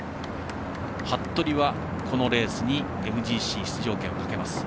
服部は、このレースにＭＧＣ出場権をかけます。